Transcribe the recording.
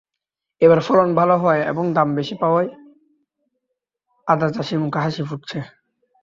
এবার ফলন ভালো হওয়ায় এবং দামও বেশি পাওয়ায় আদাচাষির মুখে হাসি ফুটেছে।